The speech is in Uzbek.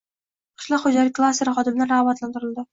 Qishloq xo‘jalik klasteri xodimlari rag‘batlantirildi